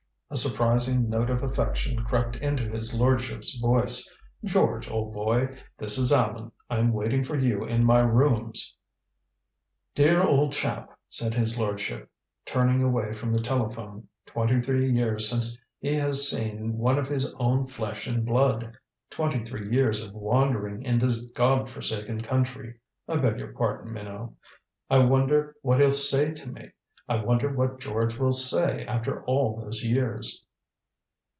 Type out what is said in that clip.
A surprising note of affection crept into his lordship's voice. "George, old boy this is Allan. I'm waiting for you in my rooms." "Dear old chap," said his lordship, turning away from the telephone. "Twenty three years since he has seen one of his own flesh and blood! Twenty three years of wandering in this God forsaken country I beg your pardon, Minot. I wonder what he'll say to me. I wonder what George will say after all those years."